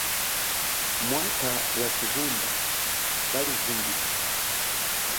Mwata wachihunda kalivumbika.